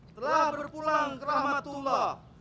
telah berpulang ke rahmatullah